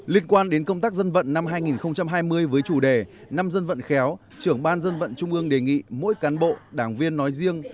liên quan đến công tác dân vận năm hai nghìn hai mươi với chủ đề năm dân vận khéo trưởng ban dân vận trung ương đề nghị mỗi cán bộ đảng viên nói riêng